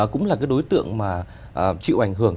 cũng là cái đối tượng mà chịu ảnh hưởng